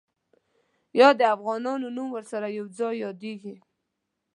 یا د افغانانو نوم ورسره یو ځای یادېږي.